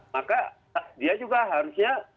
maka dia juga harusnya